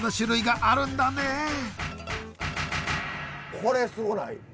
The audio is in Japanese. これすごない？